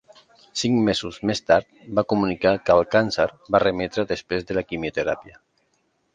Cinc mesos més tard va comunicar que el càncer va remetre després de la quimioteràpia.